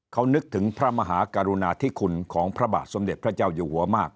เขานึกถึงพระมหากรุณาธิคุณของพระบาทสมเด็จพระเจ้าอยู่หัวมาก